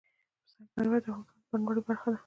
سنگ مرمر د افغانستان د بڼوالۍ برخه ده.